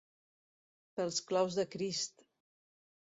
Pels claus de Crist!